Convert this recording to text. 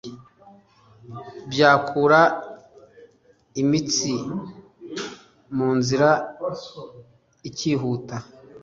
byakura imitsi munzira ikihuta